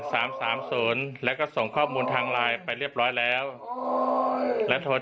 สามสามศูนย์แล้วก็ส่งข้อมูลทางไลน์ไปเรียบร้อยแล้วและโทร